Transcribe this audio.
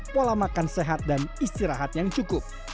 pola makan sehat dan istirahat yang cukup